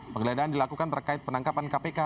penggeledahan dilakukan terkait penangkapan kpk